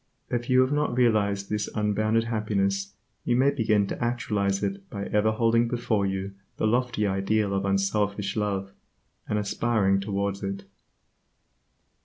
If you have not realized this unbounded happiness you may begin to actualize it by ever holding before you the lofty ideal of unselfish love, and aspiring towards it.